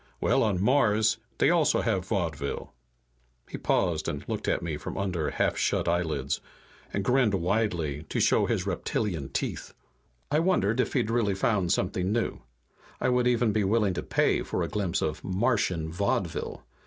Well, on Mars they have also vaudeville!" He paused, and looked at me from under half shut eyelids, and grinned widely to show his reptilian teeth. I wondered if he'd really found something new. I would even be willing to pay for a glimpse of Martian vaudeville.